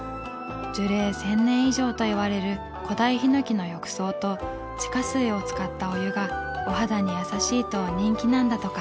樹齢千年以上といわれる古代ヒノキの浴槽と地下水を使ったお湯がお肌にやさしいと人気なんだとか。